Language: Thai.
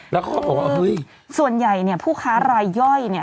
แล้วเขาก็บอกว่าเฮ้ยส่วนใหญ่เนี่ยผู้ค้ารายย่อยเนี่ย